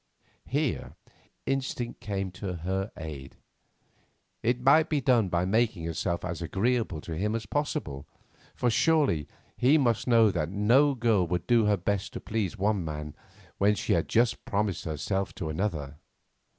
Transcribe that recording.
Here instinct came to her aid. It might be done by making herself as agreeable to him as possible, for surely he must know that no girl would do her best to please one man when she had just promised herself to another.